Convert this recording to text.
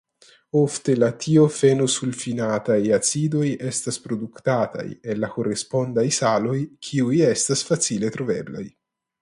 Ofte la tiofenosulfinataj acidoj estas produktataj el la korespondaj saloj kiuj estas facile troveblaj.